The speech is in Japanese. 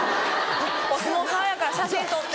お相撲さんやから「写真撮って」